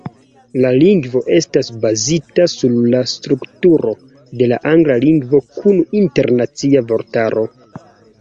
La lingvo estas bazita sur la strukturo de la angla lingvo kun internacia vortaro.